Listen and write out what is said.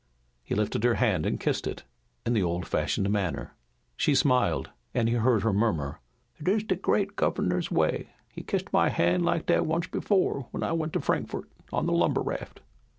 He lifted her hand and kissed it in the old fashioned manner. She smiled and he heard her murmur: "It is the great governor's way. He kissed my hand like that once before, when I went to Frankfort on the lumber raft."